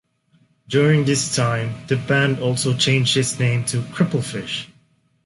During this time the band also changed its name to "Cripplefish".